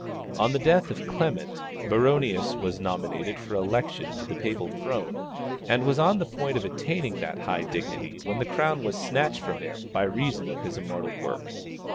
On the death of Clement, Baronius was nominated for election to the Papal throne, and was on the point of attaining that high dignity when the crown was snatched from him by reason of his immortal work.